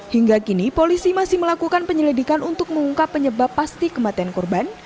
hingga kini polisi masih melakukan penyelidikan untuk mengungkap penyebab pasti kematian korban